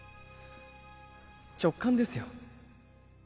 直感ですよ